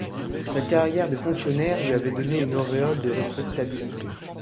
Sa carrière de fonctionnaire lui avait donné une auréole de respectabilité.